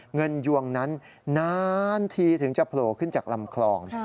ยวงนั้นนานทีถึงจะโผล่ขึ้นจากลำคลอง